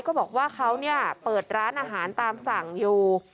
ก็บอกว่าเขาเปิดร้านอาหารตามสั่งอยู่